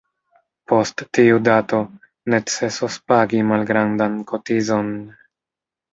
Post tiu dato, necesos pagi malgrandan kotizon.